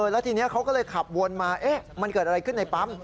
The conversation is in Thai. แล้วทีนี้เขาก็เลยขับวนมามันเกิดอะไรขึ้นในปั๊ม